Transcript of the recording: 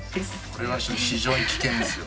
それは非常に危険ですよ。